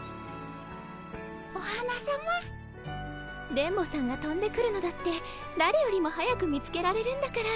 電ボさんがとんでくるのだってだれよりも早く見つけられるんだから。